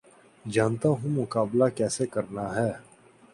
جانتا ہوں مقابلہ کیسے کرنا ہے